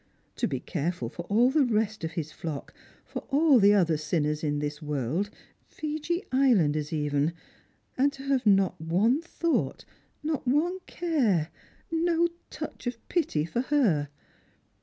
To be careful for all the rest of his fiock, for all the other sinners in this world — Fiji islanders even — and to have not one thought, not one care, no touch of pity for her